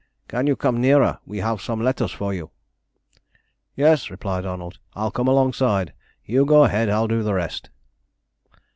Can you come nearer? We have some letters for you." "Yes," replied Arnold. "I'll come alongside. You go ahead, I'll do the rest."